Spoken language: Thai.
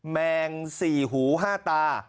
แมง๔หู๕ตา